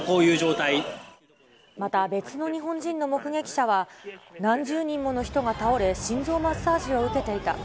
また、別の日本人の目撃者は、何十人もの人が倒れ心臓マッサージを受けていた。